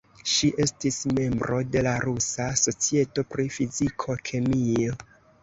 Ŝi estis membro de la Rusa Societo pri Fiziko-kemio.